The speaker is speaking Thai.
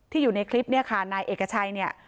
อยู่ในคลิปเนี่ยค่ะนายเอกชัยเนี่ย